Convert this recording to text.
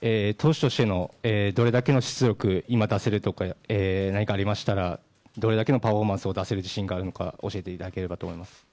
投手としてのどれだけの出力を出せるとかどれだけのパフォーマンスを出せる自信があるのか教えていただければと思います。